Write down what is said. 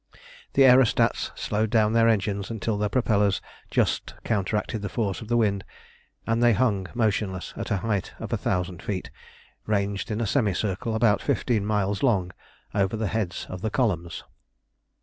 The aerostats slowed down their engines until their propellers just counteracted the force of the wind and they hung motionless at a height of a thousand feet, ranged in a semicircle about fifteen miles long over the heads of the columns.